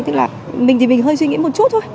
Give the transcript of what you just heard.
tức là mình thì mình hơi suy nghĩ một chút thôi